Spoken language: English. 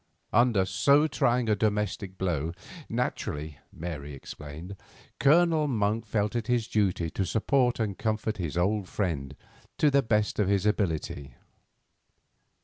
Under so trying a domestic blow, naturally, Mary explained, Colonel Monk felt it to be his duty to support and comfort his old friend to the best of his ability.